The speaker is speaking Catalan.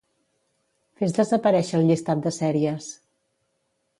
Fes desaparèixer el llistat de sèries.